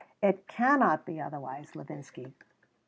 It cannot be otherwise, Levinsky.